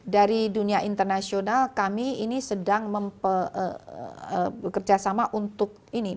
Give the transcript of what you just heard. dari dunia internasional kami ini sedang bekerjasama untuk ini